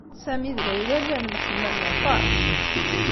Sami d Layla llan mḥemmalen aṭas.